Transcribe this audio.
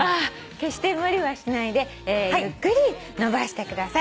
決して無理はしないでゆっくり伸ばしてください。